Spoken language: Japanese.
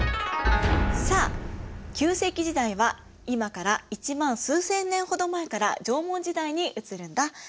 さあ旧石器時代は今から１万数千年ほど前から縄文時代に移るんだ。